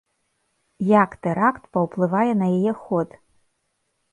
Як тэракт паўплывае на яе ход?